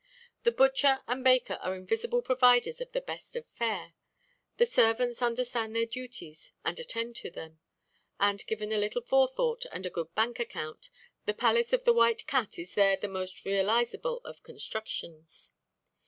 The butcher and baker are invisible providers of the best of fare. The servants understand their duties and attend to them, and, given a little forethought and a good bank account, the palace of the White Cat is there the most realizable of constructions.